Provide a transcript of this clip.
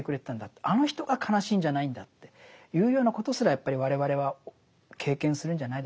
あの人が悲しいんじゃないんだっていうようなことすらやっぱり我々は経験するんじゃないでしょうか。